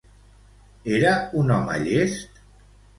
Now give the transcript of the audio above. Era un home llest?